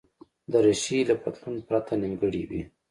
دریشي له پتلون پرته نیمګړې وي.